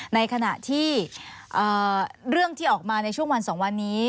ในขณะที่เรื่องที่ออกมาในช่วงวัน๒วันนี้